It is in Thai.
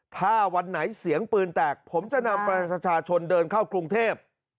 ถ้าวันไหนเสียงปืนแตกผมจะนำประชาชนเดินเข้ากรุงเทพ